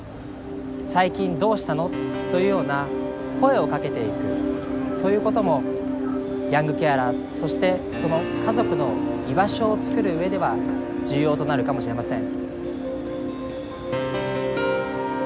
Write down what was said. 「最近どうしたの？」というような声をかけていくということもヤングケアラーそしてその家族の居場所を作る上では重要となるかもしれません。